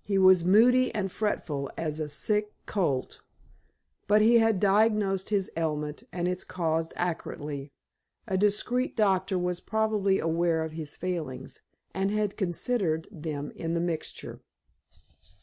He was moody, and fretful as a sick colt. But he had diagnosed his ailment and its cause accurately; a discreet doctor was probably aware of his failings, and had considered them in the "mixture."